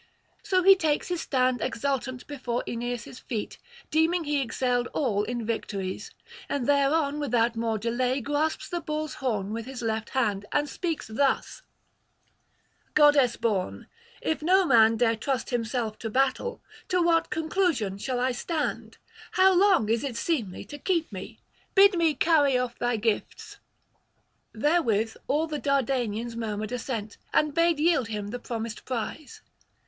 So he takes his stand exultant before Aeneas' feet, deeming he excelled all in victories; and thereon without more delay grasps the bull's horn with his left hand, and speaks thus: 'Goddess born, if no man dare trust himself to battle, to what conclusion shall I stand? how long is it seemly to keep me? bid me carry off thy gifts.' Therewith all the Dardanians murmured assent, and bade yield him the promised prize.